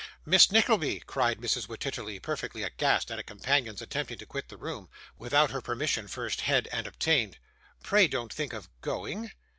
'Miss Nickleby!' cried Mrs. Wititterly, perfectly aghast at a companion's attempting to quit the room, without her permission first had and obtained. 'Pray don't think of going.